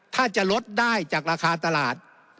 ถ้าจะลดได้จากราคาตลาด